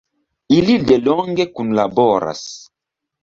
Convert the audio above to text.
Ili delonge kunlaboras.